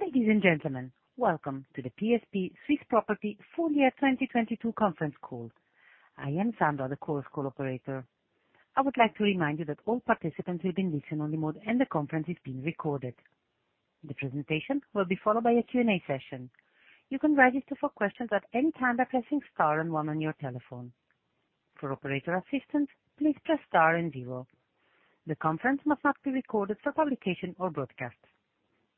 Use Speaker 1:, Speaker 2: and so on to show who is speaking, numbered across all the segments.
Speaker 1: Ladies and gentlemen, welcome to the I am Sandra, the Chorus Call operator. I would like to remind you that all participants will be in listen-only mode and the conference is being recorded. The presentation will be followed by a Q&A session. You can register for questions at any time by pressing star and one on your telephone. For operator assistance, please press star and zero. The conference must not be recorded for publication or broadcast.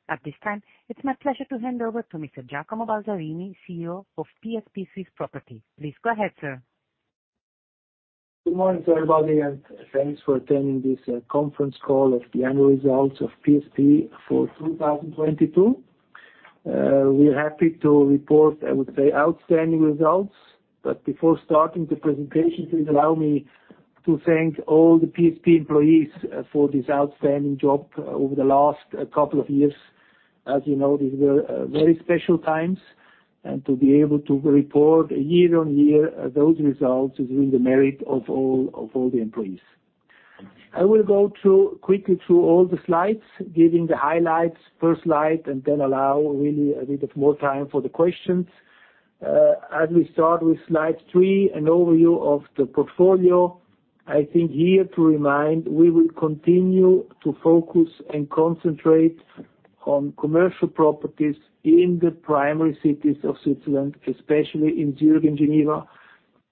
Speaker 1: At this time, it's my pleasure to hand over to Mr. Giacomo Balzarini, CEO of PSP Swiss Property. Please go ahead, sir.
Speaker 2: Good morning to everybody, thanks for attending this conference call of the annual results of PSP for 2022. We're happy to report, I would say, outstanding results. Before starting the presentation, please allow me to thank all the PSP employees for this outstanding job over the last couple of years. As you know, these were very special times, and to be able to report year-on-year those results is really the merit of all the employees. I will go quickly through all the slides, giving the highlights first slide, and then allow really a bit of more time for the questions. As we start with Slide 3, an overview of the portfolio. I think here to remind, we will continue to focus and concentrate on commercial properties in the primary cities of Switzerland, especially in Zurich and Geneva.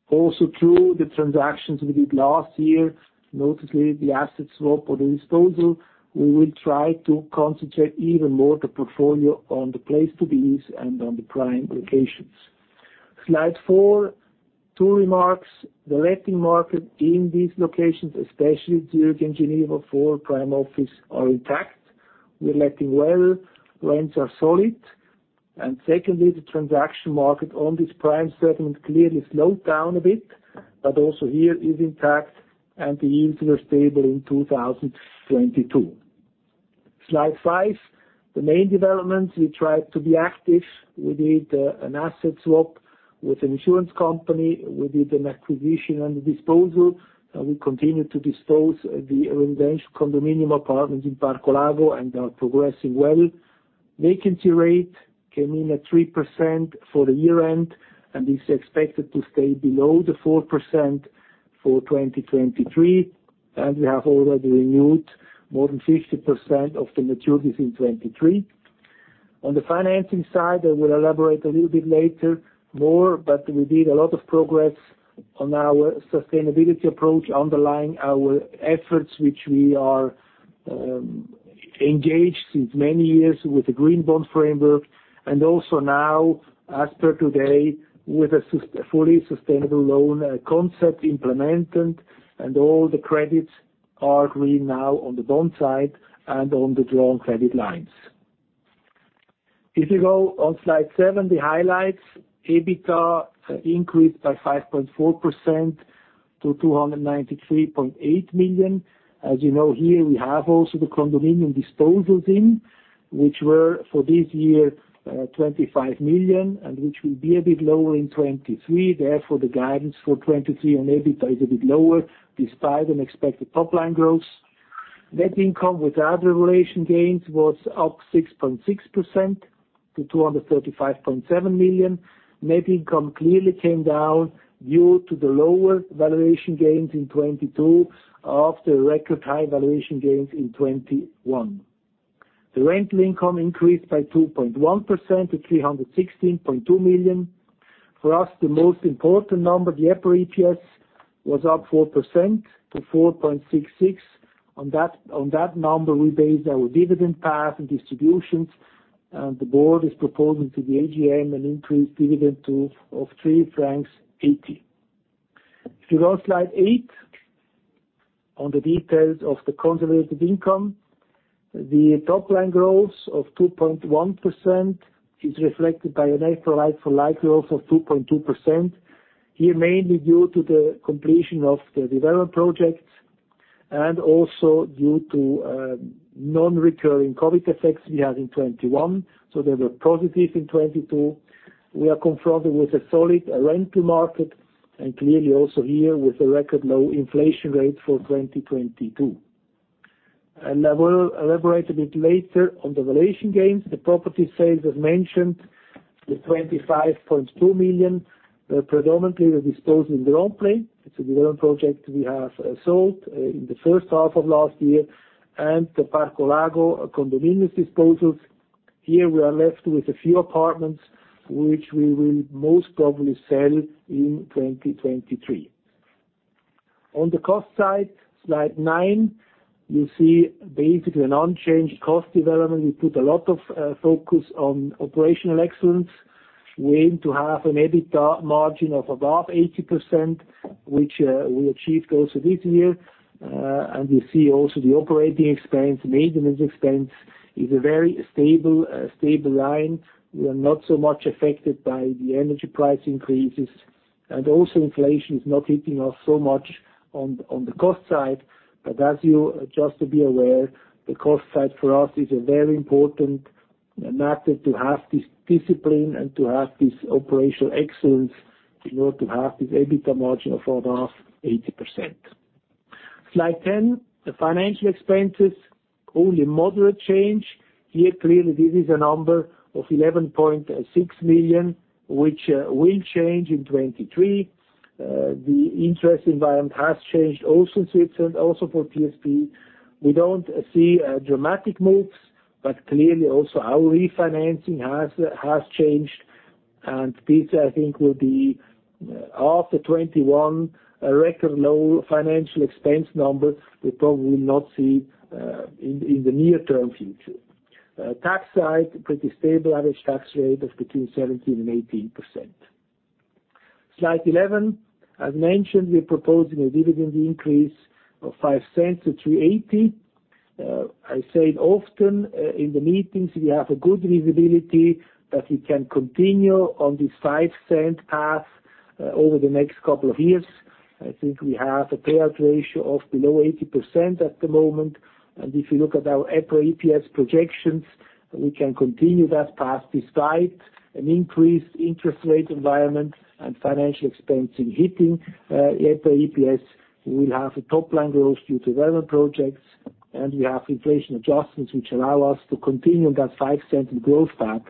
Speaker 2: Also, through the transactions we did last year, notably the asset swap or the disposal, we will try to concentrate even more the portfolio on the place to be and on the prime locations. Slide 4, two remarks. The letting market in these locations, especially Zurich and Geneva, for prime office are intact. We're letting well, rents are solid. Secondly, the transaction market on this prime segment clearly slowed down a bit, but also here is intact and the yields were stable in 2022. Slide 5: the main developments. We tried to be active. We did an asset swap with an insurance company. We did an acquisition and a disposal. We continue to dispose the condominium in Parco Lago, and progressive. Vacancy rate came in at 3% for the year end, and is expected to stay bel ow the 4% for 2023, and we have already renewed more than 60% of the in 2023. On the financing side, partments. I more, but we did a lot of progress on our sustainability approach underlying our efforts, which are engaged in many years the Green Bond Framework and also now today later on the valuation gains. The property sales, as mentioned, the CHF 25.2 million, predominantly disposing the Préverenges. It's a development project we have sold in the first half of last year. The Parco Lago condominium disposals. Here we are left with a few apartments which we will most probably sell in 2023. On the cost side, Slide 9, you see basically an unchanged cost development. We put a lot of focus on operational excellence. We aim to have an EBITDA margin of above 80%, which we achieved also this year. You see also the operating expense, maintenance expense is a very stable line. We are not so much affected by the energy price increases. Also inflation is not hitting us so much on the cost side. Just to be aware, the cost side for us is a very important matter to have this discipline and to have this operational excellence in order to have this EBITDA margin of over 80%. Slide 10, the financial expenses, only moderate change. Here clearly this is a number of 11.6 million, which will change in 2023. The interest environment has changed also in Switzerland, also for PSP. We don't see dramatic moves, but clearly also our refinancing has changed. This, I think, will be after 2021, a record low financial expense number we probably will not see in the near-term future. Tax side, pretty stable average tax rate of between 17% and 18%. Slide 11. As mentioned, we're proposing a dividend increase of 0.05 to 3.80. I said often, in the meetings, we have a good visibility that we can continue on this 0.05 path over the next couple of years. I think we have a payout ratio of below 80% at the moment. If you look at our EPRA EPS projections, we can continue that path despite an increased interest rate environment and financial expense in hitting EPRA EPS. We have a top-line growth due to development projects, and we have inflation adjustments which allow us to continue that 0.05 growth path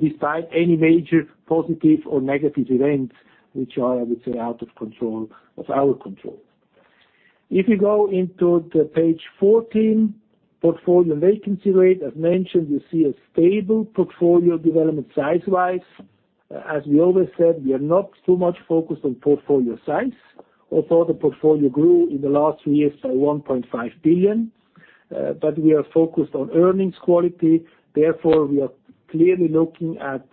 Speaker 2: despite any major positive or negative events which are, I would say, out of control, of our control. If you go into the page 14, portfolio vacancy rate, as mentioned, you see a stable portfolio development size-wise. As we always said, we are not too much focused on portfolio size, although the portfolio grew in the last three years by 1.5 billion. We are focused on earnings quality. Therefore, we are clearly looking at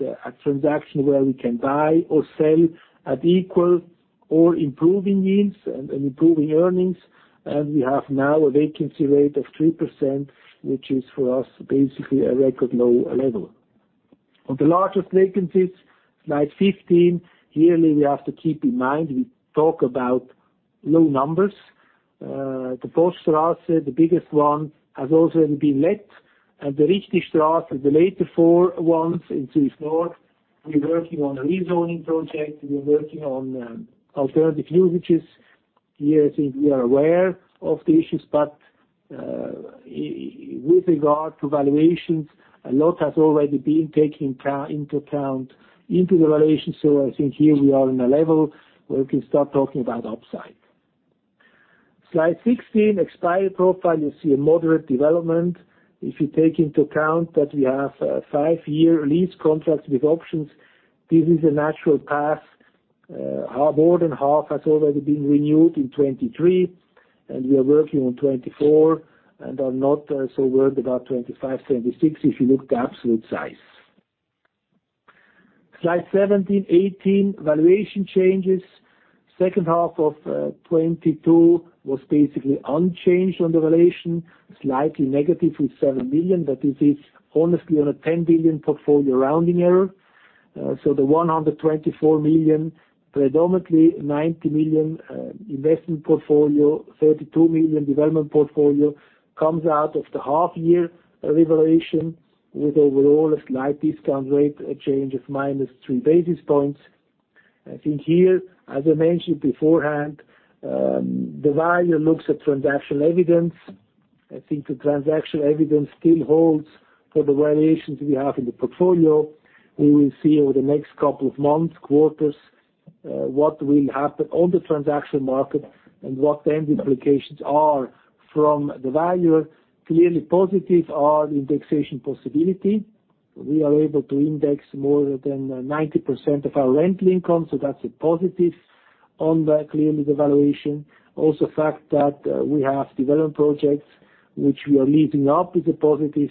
Speaker 2: transaction where we can buy or sell at equal or improving yields and improving earnings. We have now a vacancy rate of 3%, which is for us basically a record low level. On the largest vacancies, slide 15, yearly we have to keep in mind, we talk about low numbers. The Boschstrasse, the biggest one, has also been let. The Richtistrasse, the later four ones in Swiss North, we're working on a rezoning project, we're working on alternative usages. I think we are aware of the issues, but with regard to valuations, a lot has already been taken into account into the valuation. I think here we are in a level where we can start talking about upside. Slide 16, expiry profile, you see a moderate development. If you take into account that we have five-year lease contracts with options, this is a natural path. Our more than half has already been renewed in 2023, and we are working on 2024, and are not so worried about 2025, 2026, if you look the absolute size. Slide 17, 18, valuation changes. Second half of 2022 was basically unchanged on the valuation, slightly negative with 7 million, but this is honestly on a 10 billion portfolio rounding error. The 124 million, predominantly 90 million, investment portfolio, 32 million development portfolio, comes out of the half-year revaluation with overall a slight discount rate, a change of +3 basis points. I think here, as I mentioned beforehand, the valuer looks at transactional evidence. I think the transactional evidence still holds for the valuations we have in the portfolio. We will see over the next couple of months, quarters, what will happen on the transaction market and what then the implications are from the valuer. Clearly positive are the indexation possibility. We are able to index more than 90% of our rental income, so that's a positive on that, clearly the valuation. Also fact that, we have development projects which we are leasing up is a positive.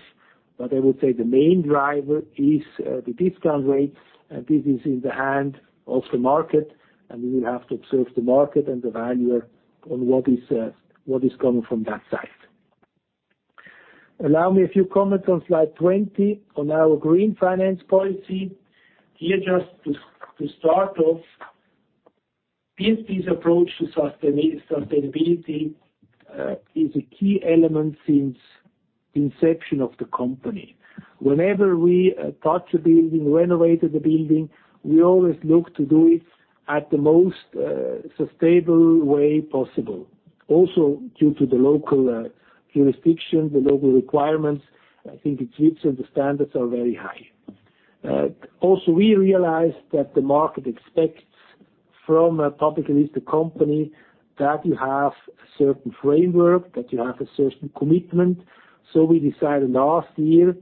Speaker 2: I would say the main driver is the discount rates, and this is in the hand of the market, and we will have to observe the market and the valuer on what is coming from that side. Allow me a few comments on slide 20 on our Green Finance Policy. Here, just to start off, PSP's approach to sustainability is a key element since inception of the company. Whenever we touch a building, renovated a building, we always look to do it at the most sustainable way possible. Also, due to the local jurisdiction, the local requirements, I think in Switzerland the standards are very high. Also, we realize that the market expects from a publicly listed company that you have a certain framework, that you have a certain commitment. We decided last year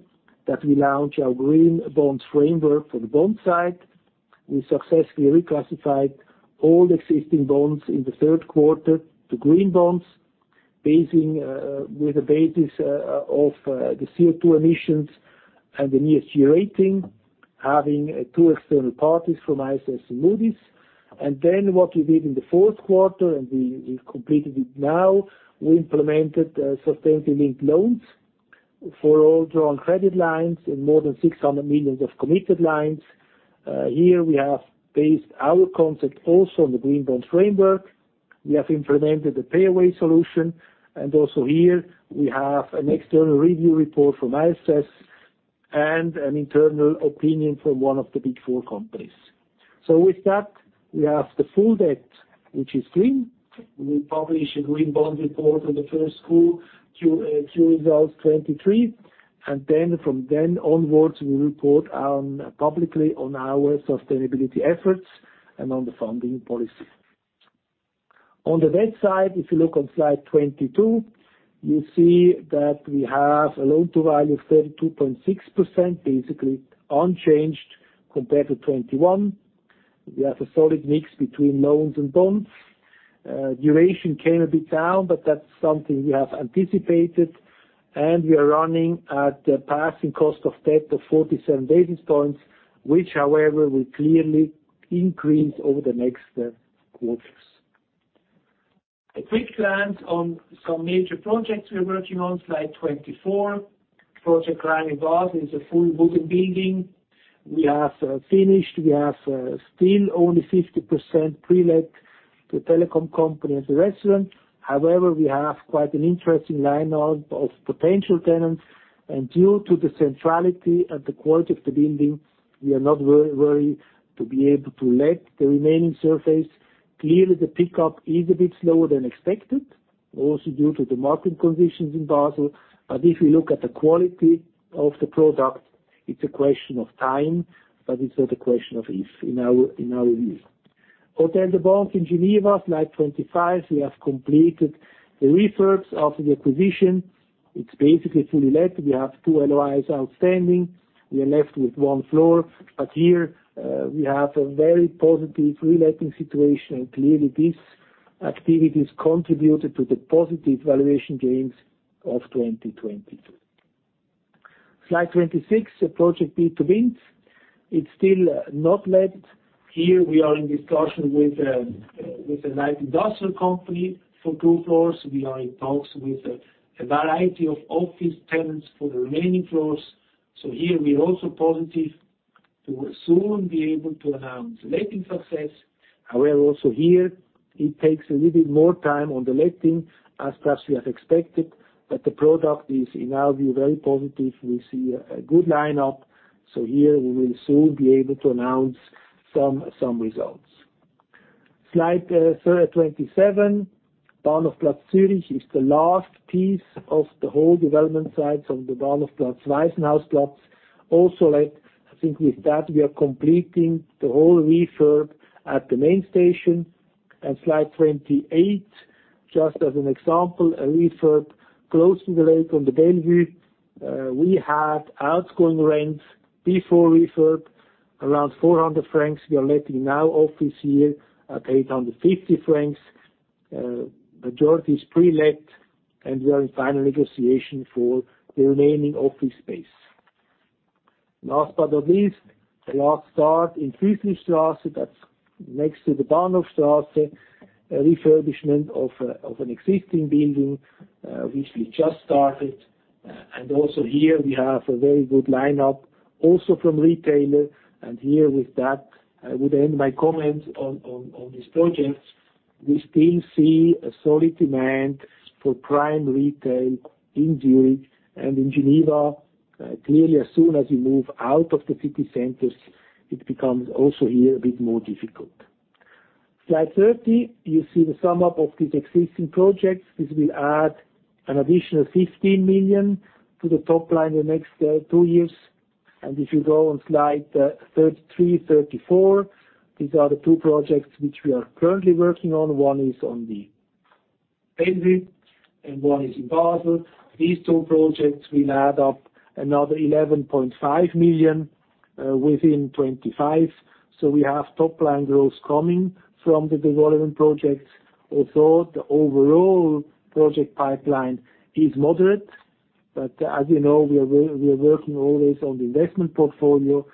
Speaker 2: that we launch our Green Bonds Framework for the bond side. We successfully reclassified all existing bonds in the third quarter to green bonds, basing with the basis of the CO2 emissions and the ESG rating, having two external parties from ISS and Moody's. What we did in the fourth quarter, and we completed it now, we implemented Sustainability-Linked Loans for all drawn credit lines in more than 600 million of committed lines. Here we have based our concept also on the green bonds framework. We have implemented the pay-away solution. Also here we have an external review report from ISS. And an internal opinion from one of the Big Four companies. With that, we have the full debt, which is green. We publish a Green Bond Report on the first Q results 2023. From then onwards, we report publicly on our sustainability efforts and on the funding policy. On the debt side, if you look on slide 22, you see that we have a Loan-to-Value of 32.6%, basically unchanged compared to 2021. We have a solid mix between loans and bonds. Duration came a bit down, but that's something we have anticipated, and we are running at a passing cost of debt of 47 basis points which, however, will clearly increase over the next quarters. A quick glance on some major projects we're working on, Slide 24. Project Clime in Basel is a full wooden building. We have finished. We have still only 50% pre-let to telecom company and the restaurant. We have quite an interesting line of potential tenants. Due to the centrality and the quality of the building, we are not very worried to be able to let the remaining surface. Clearly, the pickup is a bit slower than expected, also due to the market conditions in Basel. If you look at the quality of the product, it's a question of time, but it's not a question of if, in our view. Hôtel des Banques in Geneva, slide 25, we have completed the refurbs of the acquisition. It's basically fully let. We have two LOIs outstanding. We are left with 1 floor. Here, we have a very positive re-letting situation. Clearly, these activities contributed to the positive valuation gains of 2022. Slide 26, Project B2Binz. It's still not let. Here, we are in discussion with a light industrial company for two floors. We are in talks with a variety of office tenants for the remaining floors. Here, we're also positive to soon be able to announce letting success. However, also here it takes a little bit more time on the letting as perhaps we have expected, but the product is, in our view, very positive. We see a good line-up, here we will soon be able to announce some results. Slide 27, Bahnhofplatz, Zurich is the last piece of the whole development sites on the Bahnhofplatz/Waisenhausplatz. I think with that, we are completing the whole refurb at the Main Station. Slide 28, just as an example, a refurb close to the lake on the Bellevue. We had outgoing rents before refurb, around 400 francs. We are letting now office here at 850 francs. Majority is pre-let. We are in final negotiation for the remaining office space. Last but not least, a last start in Pelikanstrasse. That's next to the Bahnhofstrasse. A refurbishment of an existing building, which we just started. Also here we have a very good line-up, also from retailer. Here with that, I would end my comment on this project. We still see a solid demand for prime retail in Zurich and in Geneva. Clearly, as soon as you move out of the city centers, it becomes also here a bit more difficult. Slide 30, you see the sum up of these existing projects. This will add an additional 15 million to the top line in the next two years. If you go on slide 33 and 34, these are the two projects which we are currently working on. One is on the Bellevue, and one is in Basel. These two projects will add up another 11.5 million within 2025. We have top line growth coming from the development projects, although the overall project pipeline is moderate. As you know, we are working always on the investment portfolio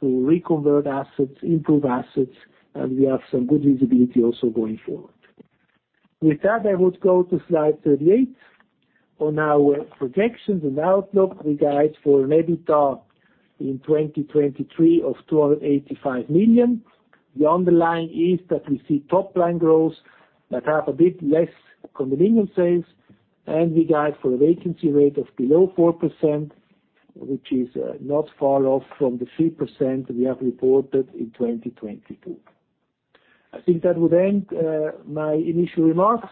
Speaker 2: to reconvert assets, improve assets, and we have some good visibility also going forward. With that, I would go to slide 38. On our projections and outlook, we guide for an EBITDA in 2023 of 285 million. The underlying is that we see top line growth that have a bit less convenience sales. We guide for a vacancy rate of below 4%, which is not far off from the 3% we have reported in 2022. I think that would end my initial remarks.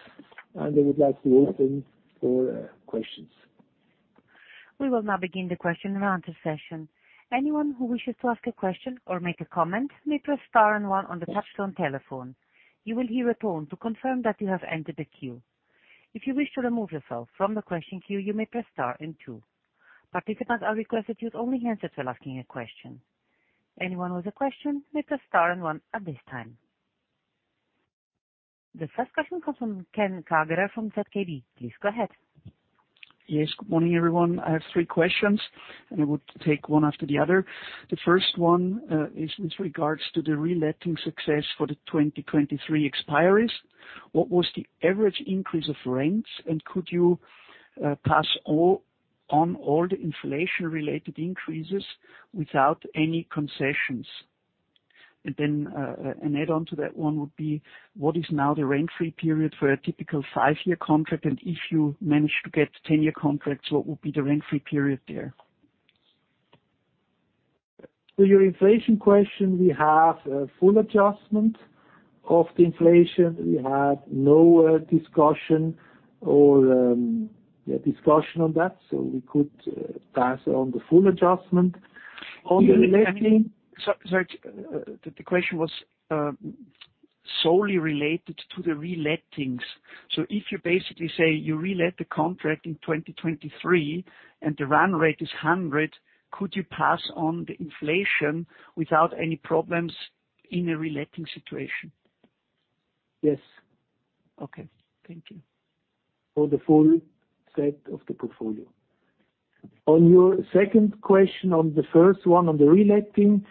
Speaker 2: I would like to open for questions.
Speaker 1: We will now begin the question and answer session. Anyone who wishes to ask a question or make a comment may press star and one on the touch-tone telephone. You will hear a tone to confirm that you have entered the queue. If you wish to remove yourself from the question queue, you may press star and two. Participants are requested to unmute only answer till asking a question. Anyone with a question may press star and one at this time. The first question comes from Ken Kagerer from ZKB. Please go ahead.
Speaker 3: Yes, good morning, everyone. I have three questions, and I would take one after the other. The first one is with regards to the re-letting success for the 2023 expiries. What was the average increase of rents, and could you pass on all the inflation-related increases without any concessions? An add-on to that one would be: what is now the rent-free period for a typical five-year contract? If you manage to get 10-year contracts, what will be the rent-free period there?
Speaker 2: To your inflation question, we have a full adjustment of the inflation. We had no discussion or, yeah, discussion on that. We could pass on the full adjustment. On the reletting.
Speaker 3: Sorry, the question was solely related to the relettings. If you basically say you relet the contract in 2023 and the run rate is 100, could you pass on the inflation without any problems in a reletting situation?
Speaker 2: Yes.
Speaker 3: Okay, thank you.
Speaker 2: For the full set of the portfolio. On your second question, on the first one, on the reletting,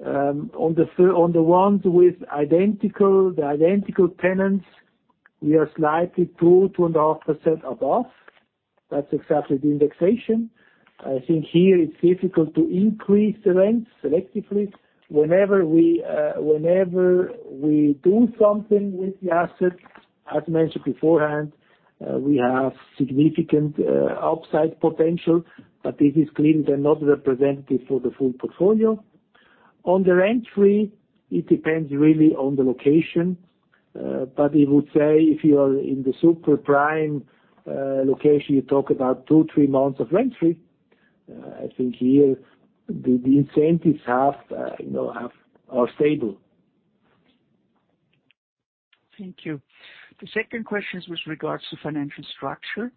Speaker 2: on the ones with identical, the identical tenants, we are slightly 2.5% above. That's exactly the indexation. I think here it's difficult to increase the rents selectively. Whenever we do something with the asset, as mentioned beforehand, we have significant upside potential. This is clearly then not representative for the full portfolio. On the rent-free, it depends really on the location. We would say if you are in the super prime location, you talk about two to three months of rent-free. I think here the incentives, you know, are stable.
Speaker 3: Thank you. The second question is with regards to financial structure.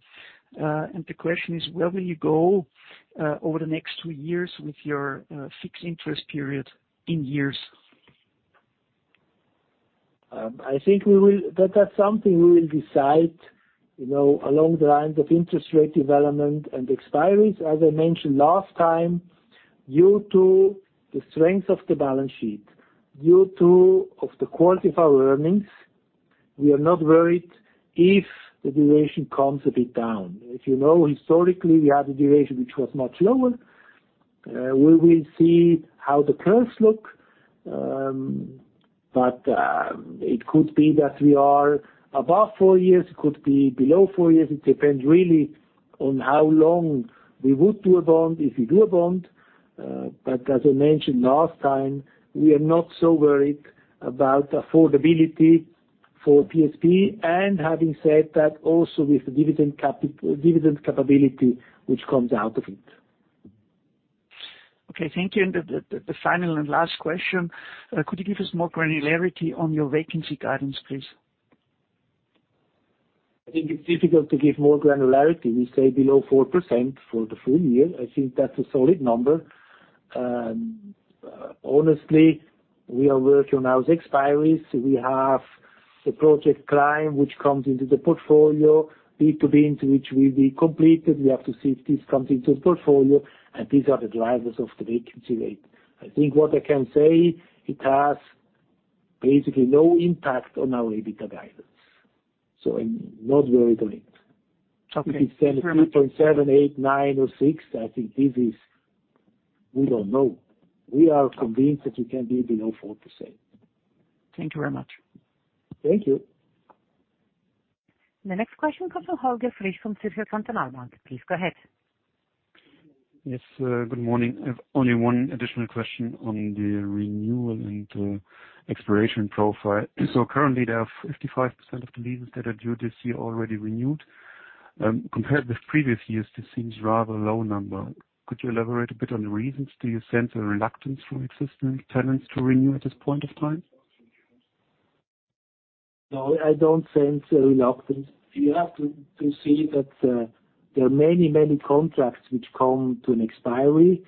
Speaker 3: The question is, where will you go over the next two years with your fixed interest period in years?
Speaker 2: I think that's something we will decide, you know, along the lines of interest rate development and the expiries. As I mentioned last time, due to the strength of the balance sheet, due to of the quality of our earnings, we are not worried if the duration comes a bit down. If you know, historically, we had a duration which was much lower. We will see how the curves look. but it could be that we are above four years, it could be below four years. It depends really on how long we would do a bond if we do a bond. but as I mentioned last time, we are not so worried about affordability for PSP. Having said that, also with the dividend capability which comes out of it.
Speaker 3: Okay, thank you. The final and last question. Could you give us more granularity on your vacancy guidance, please?
Speaker 2: I think it's difficult to give more granularity. We say below 4% for the full year. I think that's a solid number. Honestly, we are working on those expiries. We have the Project Clime, which comes into the portfolio. B2Binz, which will be completed. We have to see if this comes into the portfolio. These are the drivers of the vacancy rate. I think what I can say, it has basically no impact on our EBITDA guidance, so I'm not worried on it.
Speaker 3: Okay.
Speaker 2: If it's 10.7%, 8%, 9% or 6%, I think this is. We don't know. We are convinced that we can be below 4%.
Speaker 3: Thank you very much.
Speaker 2: Thank you.
Speaker 1: The next question comes from Holger Frisch from Zürcher Kantonalbank. Please go ahead.
Speaker 4: Yes, good morning. I have only one additional question on the renewal and expiration profile. Currently there are 55% of the leases that are due this year already renewed. Compared with previous years, this seems rather low number. Could you elaborate a bit on the reasons? Do you sense a reluctance from existing tenants to renew at this point of time?
Speaker 2: No, I don't sense a reluctance. You have to see that there are many contracts which come to an expiry.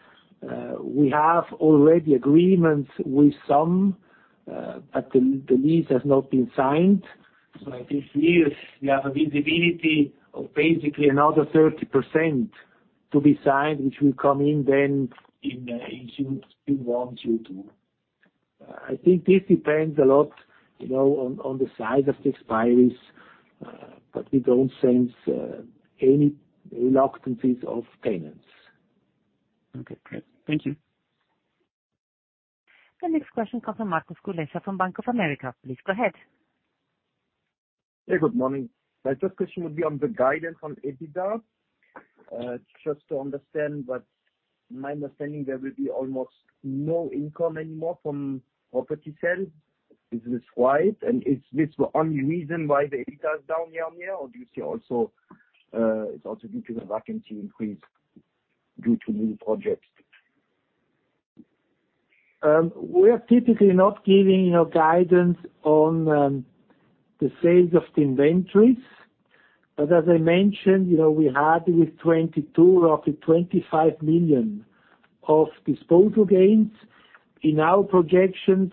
Speaker 2: We have already agreements with some, but the lease has not been signed. I think here we have a visibility of basically another 30% to be signed, which will come in then in June, in one Q2. I think this depends a lot, you know, on the size of the expiries, but we don't sense any reluctance of tenants.
Speaker 4: Okay, great. Thank you.
Speaker 1: The next question comes from Markus Kulessa from Bank of America. Please go ahead.
Speaker 5: Hey, good morning. My first question would be on the guidance on EBITDA. Just to understand, my understanding there will be almost no income anymore from property sales. Is this right? Is this the only reason why the EBITDA is down year-on-year? Do you see also, it's also due to the vacancy increase due to new projects?
Speaker 2: We are typically not giving a guidance on the sales of the inventories. As I mentioned, you know, we had with 2022 roughly 25 million of disposal gains. In our projections,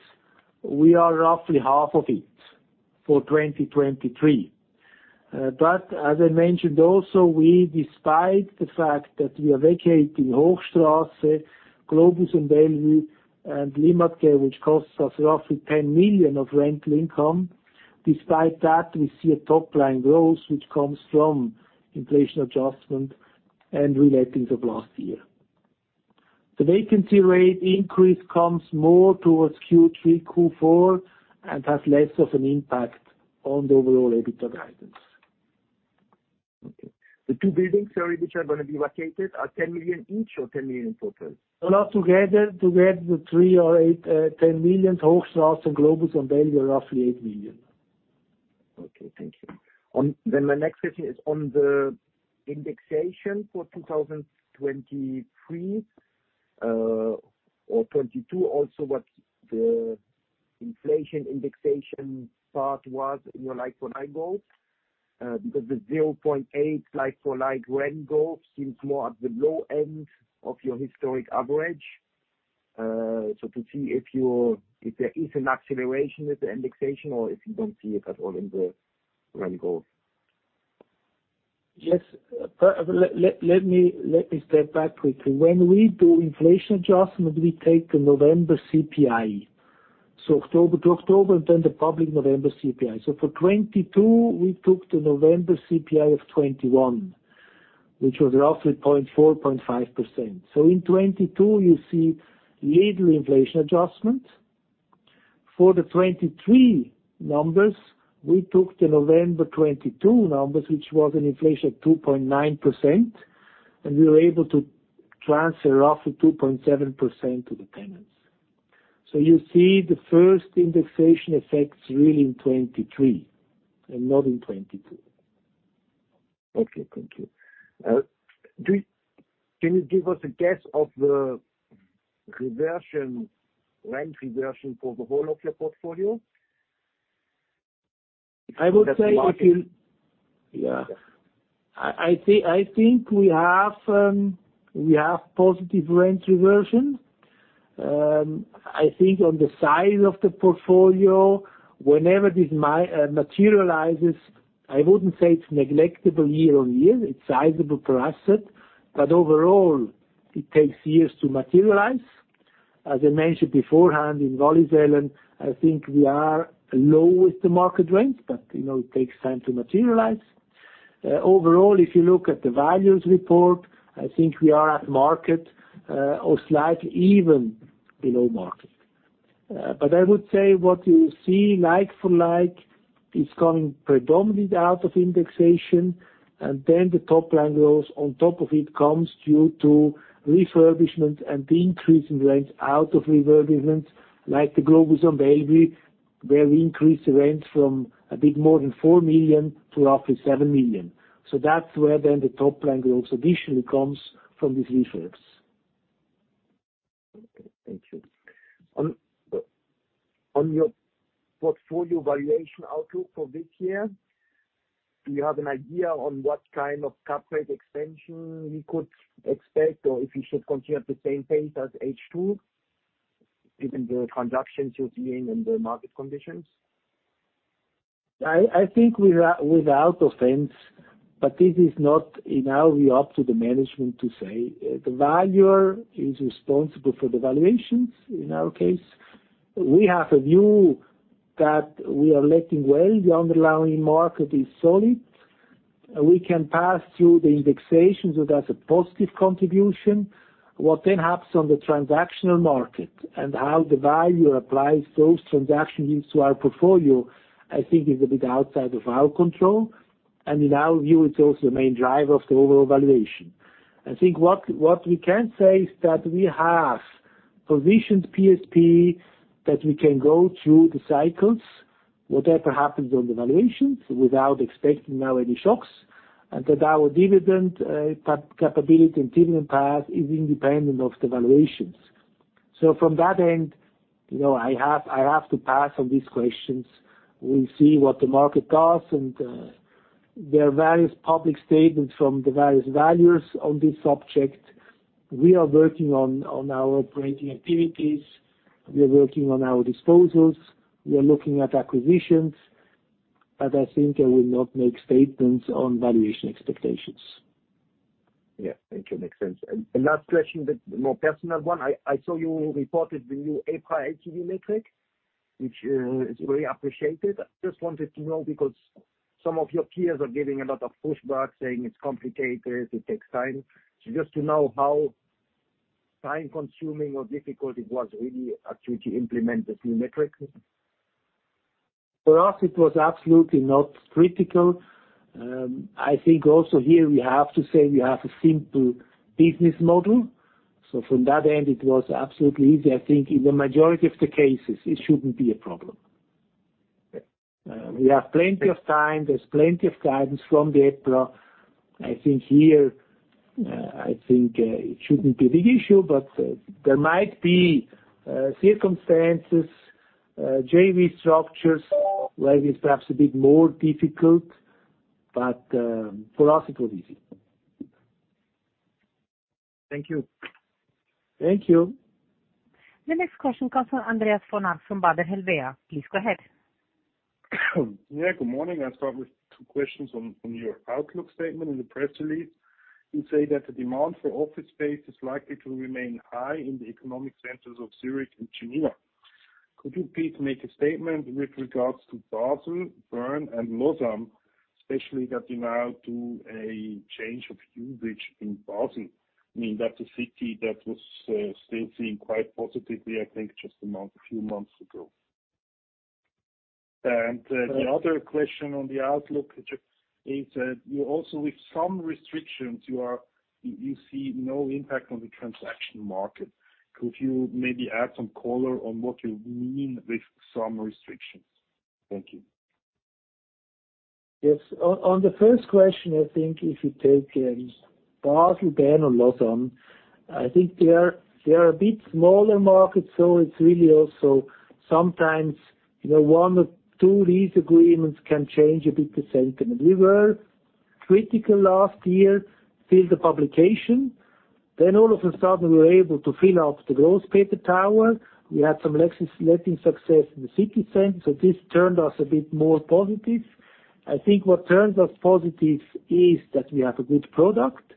Speaker 2: we are roughly half of it for 2023. As I mentioned also, we despite the fact that we are vacating Hochstrasse, Globus in Bellevue, and Limmatquai, which costs us roughly 10 million of rental income. Despite that, we see a top-line growth which comes from inflation adjustment and re-lettings of last year. The vacancy rate increase comes more towards Q3, Q4, and has less of an impact on the overall EBITDA guidance.
Speaker 5: Okay. The two buildings sorry, which are gonna be vacated are 10 million each or 10 million total?
Speaker 2: Well, altogether the three are 8 to 10 million. Hochstrasse and Globus on Bellevue are roughly 8 million.
Speaker 5: Okay, thank you. My next question is on the indexation for 2023 or 2022 also what the inflation indexation part was in your like-for-like goals, because the 0.8 like-for-like rent goal seems more at the low end of your historic average. To see if there is an acceleration with the indexation or if you don't see it at all in the rent goal.
Speaker 2: Yes. Let me step back quickly. When we do inflation adjustment, we take the November CPI. October to October, then the public November CPI. For 2022, we took the November CPI of 2021, which was roughly 0.4%-0.5%. In 2022 you see little inflation adjustment. For the 2023 numbers, we took the November 2022 numbers, which was an inflation of 2.9%, and we were able to transfer roughly 2.7% to the tenants. You see the first indexation effects really in 2023 and not in 2022.
Speaker 5: Okay, thank you. Can you give us a guess of the reversion, rent reversion for the whole of your portfolio?
Speaker 2: I would say if you-.
Speaker 5: Yeah.
Speaker 2: I think we have positive rent reversion. I think on the size of the portfolio, whenever this materializes, I wouldn't say it's neglectable year on year. It's sizable per asset, but overall it takes years to materialize. As I mentioned beforehand in Wollishofen, I think we are low with the market rent, but you know, it takes time to materialize. Overall, if you look at the values report, I think we are at market or slightly even below market. I would say what you see like-for-like is coming predominantly out of indexation, and then the top-line growth on top of it comes due to refurbishment and the increase in rent out of refurbishment, like the Globus on Bellevue, where we increased the rent from a bit more than 4 million to roughly 7 million. That's where the top line growth additionally comes from these refurbs.
Speaker 5: Okay, thank you. On your portfolio valuation outlook for this year, do you have an idea on what kind of cap rate extension we could expect, or if we should continue at the same pace as H2, given the transactions you're seeing and the market conditions?
Speaker 2: I think without offense, this is not in our view up to the management to say. The valuer is responsible for the valuations in our case. We have a view that we are letting well, the underlying market is solid. We can pass through the indexation, that's a positive contribution. What then happens on the transactional market and how the valuer applies those transaction yields to our portfolio, I think is a bit outside of our control. In our view, it's also the main driver of the overall valuation. I think what we can say is that we have positioned PSP, that we can go through the cycles, whatever happens on the valuations, without expecting now any shocks. That our dividend capability and dividend path is independent of the valuations. From that end, you know, I have to pass on these questions. We'll see what the market does, and there are various public statements from the various valuers on this subject. We are working on our operating activities. We are working on our disposals. We are looking at acquisitions. I think I will not make statements on valuation expectations.
Speaker 5: Yeah. Thank you. Makes sense. Last question, the more personal one. I saw you reported the EPRA LTV metric, which is very appreciated. I just wanted to know because some of your peers are giving a lot of pushback, saying it's complicated, it takes time. Just to know how time-consuming or difficult it was really actually to implement a few metrics.
Speaker 2: For us, it was absolutely not critical. I think also here we have to say we have a simple business model. From that end, it was absolutely easy. I think in the majority of the cases it shouldn't be a problem.
Speaker 5: Okay.
Speaker 2: We have plenty of time. There's plenty of guidance from the EPRA. I think here, it shouldn't be a big issue, but there might be circumstances, JV structures where it is perhaps a bit more difficult, but for us it was easy.
Speaker 5: Thank you.
Speaker 2: Thank you.
Speaker 1: The next question comes from Andreas von Arx from Baader Helvea. Please go ahead.
Speaker 6: Good morning. I'll start with two questions on your outlook statement in the press release. You say that the demand for office space is likely to remain high in the economic centers of Zurich and Geneva. Could you please make a statement with regards to Basel, Bern, and Lausanne, especially the demand to a change of usage in Basel? I mean, that's a city that was still seen quite positively, I think just a month, a few months ago. The other question on the outlook just is that you also with some restrictions, you see no impact on the transaction market. Could you maybe add some color on what you mean with some restrictions? Thank you.
Speaker 2: On the first question, I think if you take Basel, Bern, and Lausanne, I think they are a bit smaller markets, it's really also sometimes, you know, one or two lease agreements can change a bit the sentiment. We were critical last year till the publication. All of a sudden, we were able to fill up the Grosspeter Tower. We had some letting success in the city center, this turned us a bit more positive. I think what turns us positive is that we have a good product.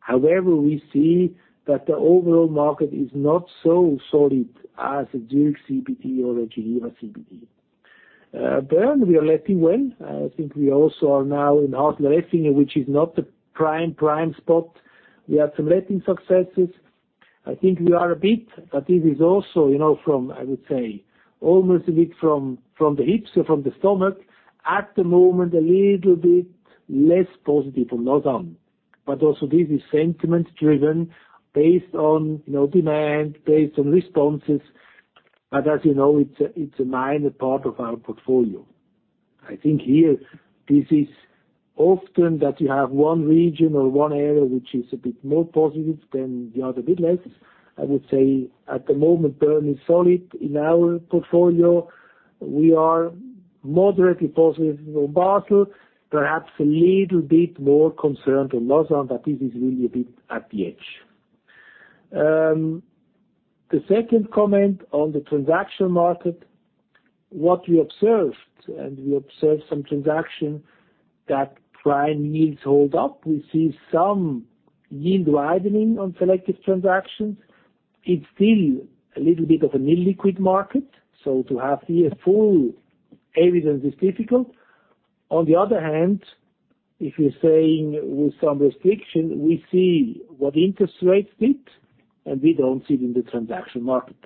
Speaker 2: However, we see that the overall market is not so solid as a Zurich CBD or a Geneva CBD. Bern, we are letting well. I think we also are now in Hardturm, which is not the prime spot. We have some letting successes. I think we are a bit, but this is also, you know, from, I would say, almost a bit from the hips or from the stomach at the moment, a little bit less positive on Lausanne. Also this is sentiment-driven based on, you know, demand, based on responses, but as you know, it's a, it's a minor part of our portfolio. I think here this is often that you have one region or one area which is a bit more positive than the other, a bit less. I would say at the moment, Bern is solid in our portfolio. We are moderately positive on Basel, perhaps a little bit more concerned on Lausanne, but this is really a bit at the edge. The second comment on the transaction market, what we observed, and we observed some transaction that prime yields hold up. We see some yield widening on selective transactions. It's still a little bit of an illiquid market to have here full evidence is difficult. If you're saying with some restriction, we see what interest rates did, and we don't see it in the transaction market.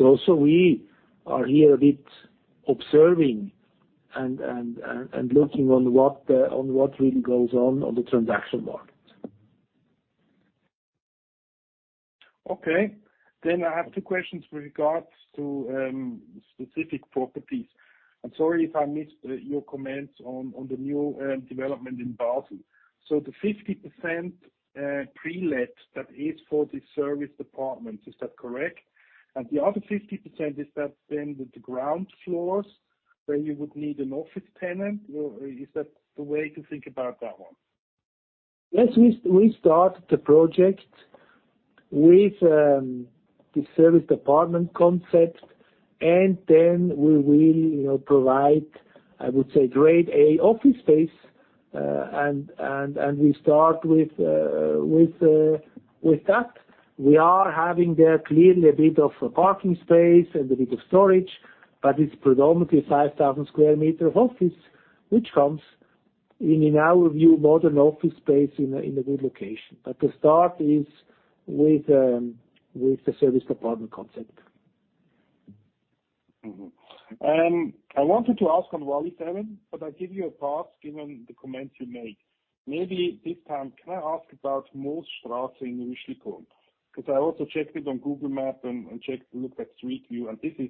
Speaker 2: We are here a bit observing and looking on what really goes on on the transaction market.
Speaker 6: Okay. I have two questions with regards to specific properties. I'm sorry if I missed your comments on the new development in Basel. The 50% pre-let that is for the service department, is that correct? The other 50%, is that the ground floors where you would need an office tenant? Or is that the way to think about that one?
Speaker 2: Yes. We start the project with the service department concept. Then we will, you know, provide, I would say, Grade A office space. We start with that. We are having there clearly a bit of a parking space and a bit of storage, but it's predominantly 5,000 sq m office, which comes in our view, modern office space in a good location. The start is with the service department concept.
Speaker 6: I wanted to ask on Wollishofen. I'll give you a pass given the comments you made. Maybe this time can I ask about Moosstrasse in Rüschlikon? I also checked it on Google Maps and looked at Street View, and this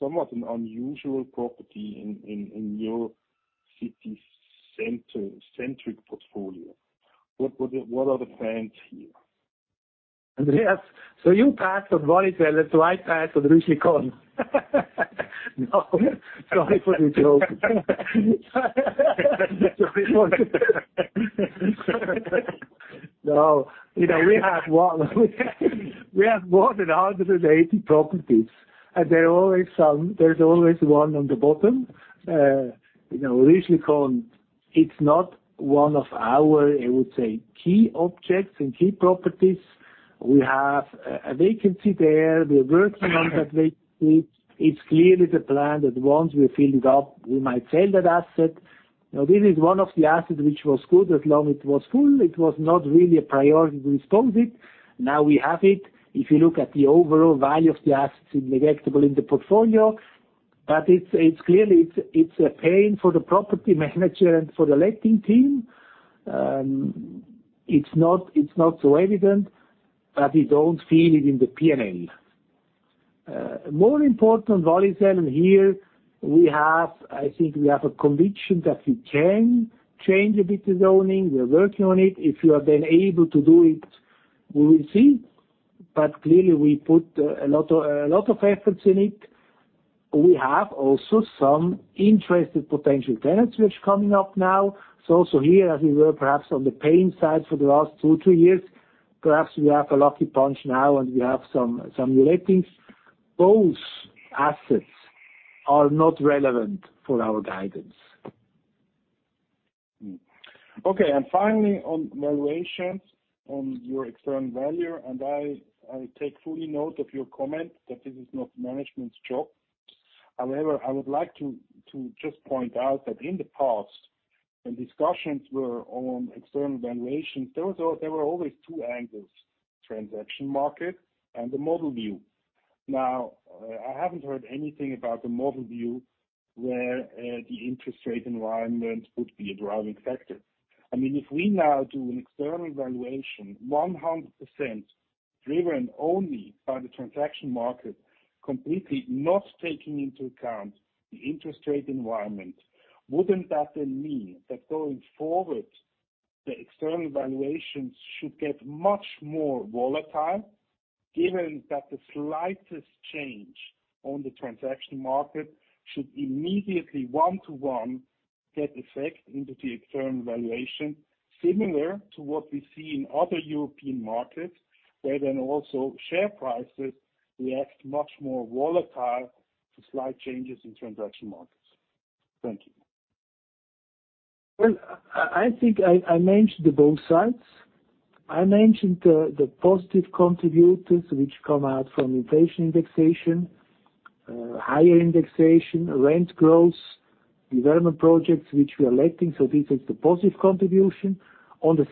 Speaker 6: is somewhat an unusual property in your city center-centric portfolio. What are the plans here?
Speaker 2: Andreas, you passed on Wollishofen, so I pass on Rüschlikon. No. Sorry for the joke. No. You know, we have more than 180 properties, and there's always one on the bottom. You know, Rüschlikon, it's not one of our, I would say, key objects and key properties. We have a vacancy there. We're working on that vacancy. It's clearly the plan that once we fill it up, we might sell that asset. You know, this is one of the assets which was good as long it was full. It was not really a priority to expose it. Now we have it. If you look at the overall value of the assets, it's neglectable in the portfolio. It's clearly it's a pain for the property manager and for the letting team. It's not, it's not so evident, but we don't feel it in the P&L. More important, Wollishofen here, I think we have a conviction that we can change a bit the zoning. We're working on it. If we are then able to do it, we will see. Clearly, we put a lot of efforts in it. We have also some interested potential tenants which are coming up now. Here as we were perhaps on the paying side for the last two years, perhaps we have a lucky punch now, and we have some re-latings. Both assets are not relevant for our guidance.
Speaker 6: Okay. Finally, on valuations on your external value, and I take fully note of your comment that this is not management's job. However, I would like to just point out that in the past, when discussions were on external valuations, there were always two angles: transaction market and the model view. Now, I haven't heard anything about the model view where the interest rate environment would be a driving factor. I mean, if we now do an external valuation 100% driven only by the transaction market, completely not taking into account the interest rate environment, wouldn't that then mean that going forward, the external valuations should get much more volatile, given that the slightest change on the transaction market should immediately one-to-one get effect into the external valuation, similar to what we see in other European markets, where then also share prices react much more volatile to slight changes in transaction markets? Thank you.
Speaker 2: I think I mentioned the both sides. I mentioned the positive contributors which come out from inflation indexation, higher indexation, rent growth, development projects which we are letting. This is the positive contribution. On the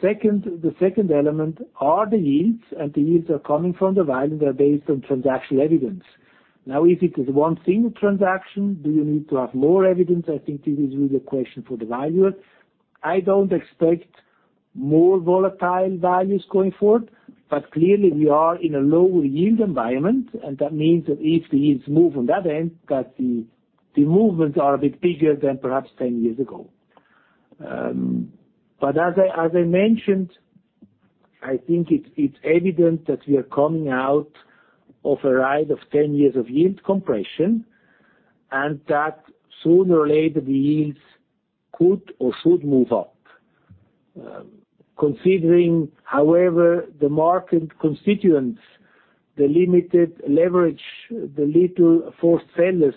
Speaker 2: second element are the yields, and the yields are coming from the value. They're based on transaction evidence. If it is one single transaction, do you need to have more evidence? I think this is the question for the valuer. I don't expect more volatile values going forward, but clearly we are in a lower yield environment, and that means that if the yields move on that end, the movements are a bit bigger than perhaps 10 years ago. As I mentioned, I think it's evident that we are coming out of a ride of 10 years of yield compression, that sooner or later, the yields could or should move up. Considering, however, the market constituents, the limited leverage, the little for sellers,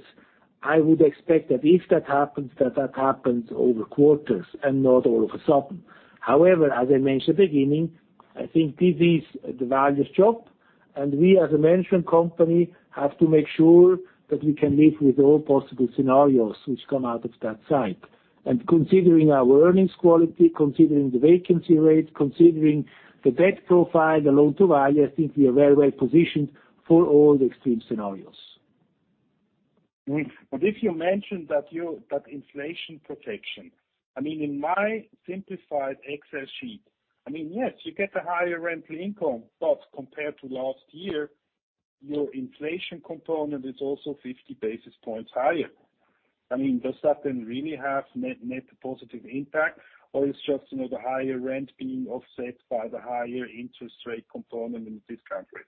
Speaker 2: I would expect that if that happens, that that happens over quarters and not all of a sudden. As I mentioned at the beginning, I think this is the valuer's job, we, as a management company, have to make sure that we can live with all possible scenarios which come out of that side. Considering our earnings quality, considering the vacancy rate, considering the debt profile, the Loan-to-Value, I think we are very well positioned for all the extreme scenarios.
Speaker 6: If you mentioned that inflation protection, I mean, in my simplified Excel sheet, I mean, yes, you get a higher rental income, but compared to last year, your inflation component is also 50 basis points higher. I mean, does that then really have net positive impact, or it's just, you know, the higher rent being offset by the higher interest rate component in this country?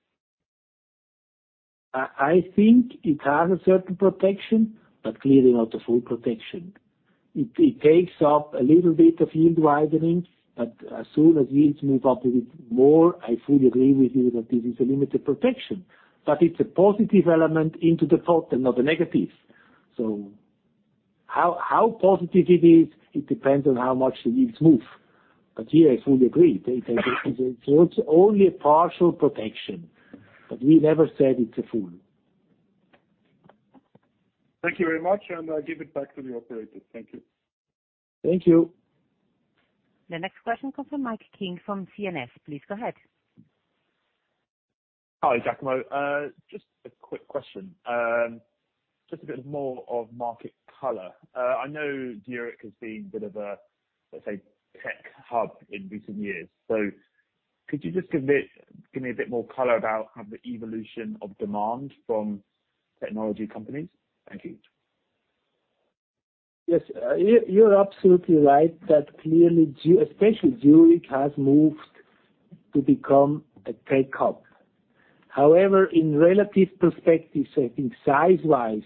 Speaker 2: I think it has a certain protection, but clearly not a full protection. It takes up a little bit of yield widening, but as soon as yields move up a bit more, I fully agree with you that this is a limited protection. It's a positive element into the total, not a negative. How, how positive it is, it depends on how much the yields move. Yeah, I fully agree. It's only a partial protection, but we never said it's a full.
Speaker 6: Thank you very much, and I'll give it back to the operator. Thank you.
Speaker 2: Thank you.
Speaker 1: The next question comes from Mike King from CNS. Please go ahead.
Speaker 7: Hi, Giacomo. Just a quick question. Just a bit more of market color. I know Zurich has been bit of a, let's say, tech hub in recent years. Could you just give me a bit more color about how the evolution of demand from technology companies? Thank you.
Speaker 2: Yes. You're absolutely right that clearly especially Zurich has moved to become a tech hub. In relative perspective, so I think size-wise,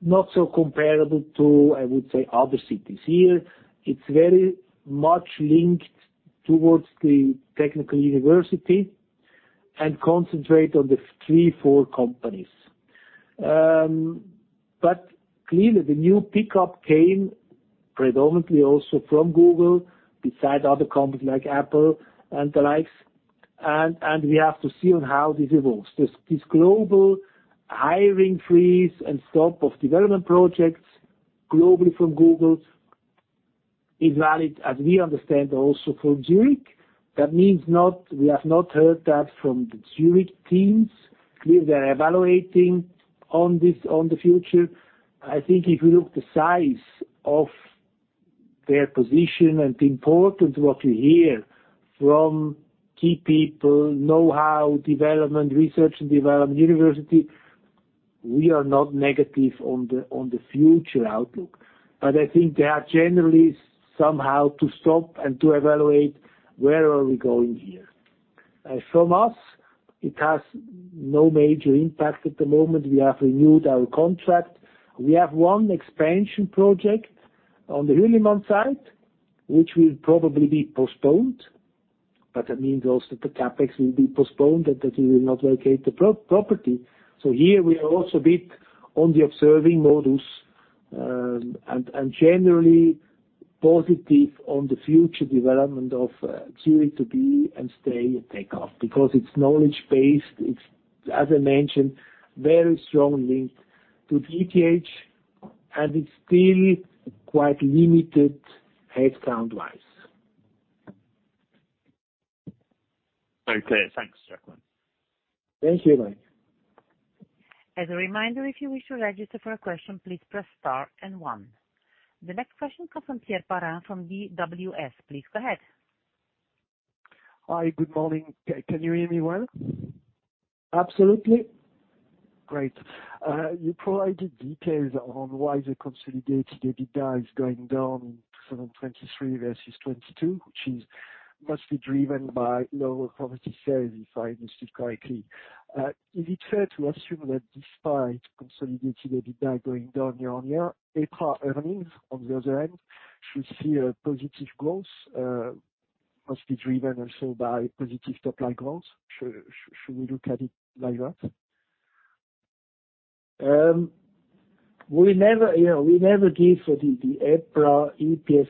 Speaker 2: not so comparable to, I would say, other cities. Here, it's very much linked towards the Technical University and concentrate on the three, four companies. Clearly the new pickup came predominantly also from Google, besides other companies like Apple and the likes, and we have to see on how this evolves. This global hiring freeze and stop of development projects globally from Google is valid, as we understand also from Zurich. That means We have not heard that from the Zurich teams. Clearly, they are evaluating on this, on the future. I think if you look the size of their position and the importance what you hear from key people, know-how, development, research and development, university, we are not negative on the future outlook. I think they are generally somehow to stop and to evaluate where are we going here. From us, it has no major impact at the moment. We have renewed our contract. We have one expansion project on the Hürlimann site, which will probably be postponed. That means also the CapEx will be postponed and that we will not locate the pro-property. Here we are also a bit on the observing modus, and generally positive on the future development of Zurich to be and stay a take-off. It's knowledge-based, it's, as I mentioned, very strongly linked to ETH, and it's still quite limited headcount-wise.
Speaker 7: Very clear. Thanks, Giacomo.
Speaker 2: Thank you, Mike.
Speaker 1: As a reminder, if you wish to register for a question, please press star and one. The next question comes from Pierre Paren from DWS. Please go ahead.
Speaker 8: Hi. Good morning. Can you hear me well?
Speaker 2: Absolutely.
Speaker 8: Great. You provided details on why the consolidated EBITDA is going down in 2023 versus 2022, which is mostly driven by lower property sales, if I understood correctly? Is it fair to assume that despite consolidated EBITDA going down year-on-year, EPRA earnings on the other end should see a positive growth, mostly driven also by positive top-line growth? Should we look at it like that?
Speaker 2: We never, you know, we never give the EPRA EPS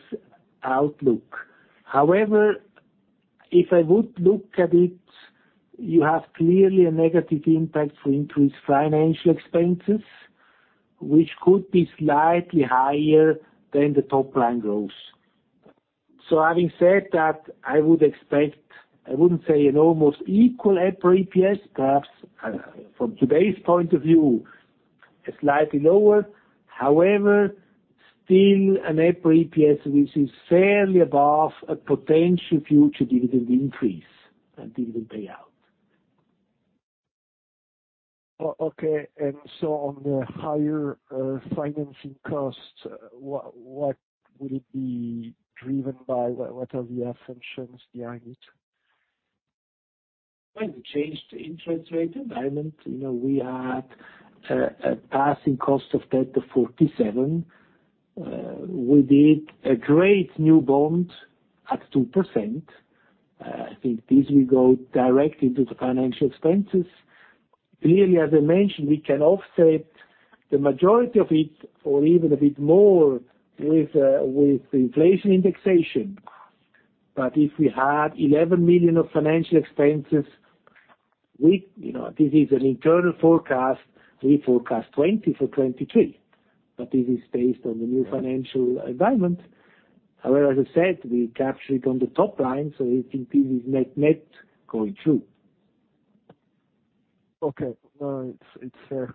Speaker 2: outlook. However, if I would look at it, you have clearly a negative impact for increased financial expenses, which could be slightly higher than the top-line growth. Having said that, I would expect, I wouldn't say an almost equal EPRA EPS, perhaps, from today's point of view, slightly lower. However, still an EPRA EPS which is fairly above a potential future dividend increase and dividend payout.
Speaker 8: Okay. On the higher financing costs, what would it be driven by? What are the assumptions behind it?
Speaker 2: When you change the interest rate environment, you know, we had a passing cost of delta 47. We did a great new bond at 2%. I think this will go directly to the financial expenses. Clearly, as I mentioned, we can offset the majority of it or even a bit more with the inflation indexation. If we had 11 million of financial expenses, we. You know, this is an internal forecast. We forecast 20 for 2023, but this is based on the new financial environment. As I said, we capture it on the top line, so we think this is net-net going through.
Speaker 8: Okay. No, it's fair.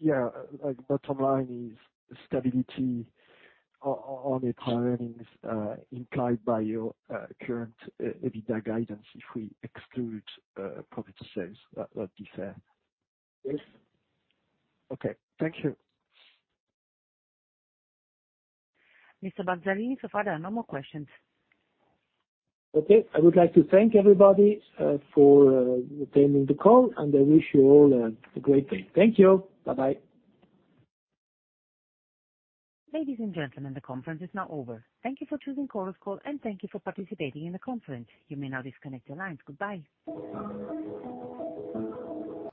Speaker 8: Yeah, like bottom line is stability on net earnings, implied by your current EBITDA guidance if we exclude property sales. That'd be fair.
Speaker 2: Yes.
Speaker 8: Okay. Thank you.
Speaker 1: Mr. Balzarini, so far there are no more questions.
Speaker 2: Okay. I would like to thank everybody for attending the call. I wish you all a great day. Thank you. Bye-bye.
Speaker 1: Ladies and gentlemen, the conference is now over. Thank you for choosing Chorus Call, and thank you for participating in the conference. You may now disconnect your lines. Goodbye.